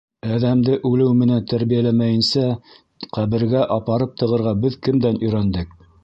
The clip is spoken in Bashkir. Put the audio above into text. Әҙәмде үлеү менән тәрбиәләмәйенсә ҡәбергә апарып тығырға беҙ кемдән өйрәндек?